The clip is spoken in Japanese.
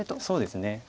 そうですね。